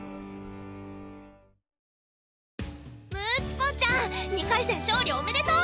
睦子ちゃん２回戦勝利おめでとう！